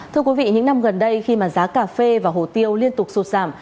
thưa quý vị những năm gần đây khi mà giá cà phê và hồ tiêu liên tục sụt giảm